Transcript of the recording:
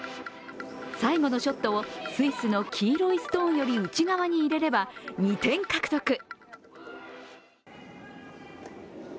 最後のショットをスイスの黄色いストーンより内側に入れれば２点獲得。